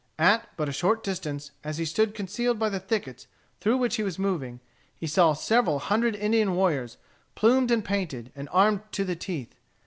At but a short distance, as he stood concealed by the thickets through which he was moving, he saw several hundred Indian warriors, plumed and painted, and armed to the teeth.